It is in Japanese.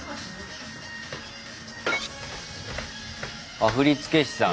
あっ振付師さん。